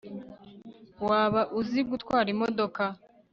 waba uzi gutwara imodoka